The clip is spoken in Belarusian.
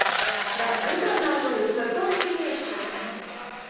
Дажджы прагназуюцца толькі месцамі.